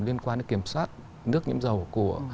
liên quan đến kiểm soát nước nhiễm dầu của